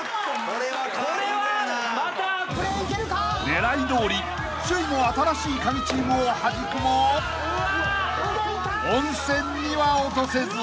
［狙いどおり首位の新しいカギチームをはじくも温泉には落とせず］